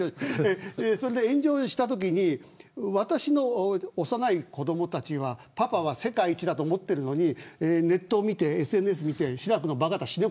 炎上したときに私の幼い子どもたちはパパは世界一だと思っているのにネットやＳＮＳを見て志らくのばか、死ね